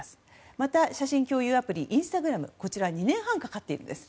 また、写真共有アプリインスタグラムこちらは２年半かかっています。